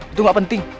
itu gak penting